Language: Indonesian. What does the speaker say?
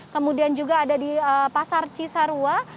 kemudian juga ada di pasar cisarua